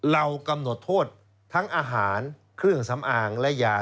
เรากำหนดโทษทั้งอาหารเครื่องสำอางและยา